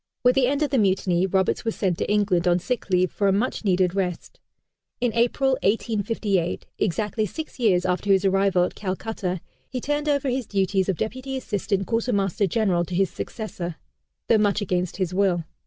With the end of the Mutiny, Roberts was sent to England on sick leave for a much needed rest. In April, 1858, exactly six years after his arrival at Calcutta, he turned over his duties of Deputy Assistant Quartermaster General to his successor though much against his will.